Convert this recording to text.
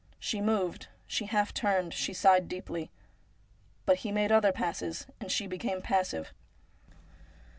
She moved, she half turned, she sighed deeply ; but he made other passes, and she became passive.